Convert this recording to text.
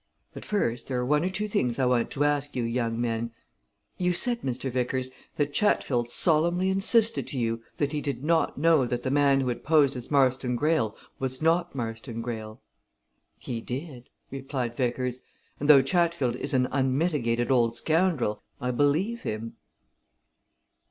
But first, there are one or two things I want to ask you young men you said, Mr. Vickers, that Chatfield solemnly insisted to you that he did not know that the man who had posed as Marston Greyle was not Marston Greyle?" "He did," replied Vickers, "and though Chatfield is an unmitigated old scoundrel, I believe him."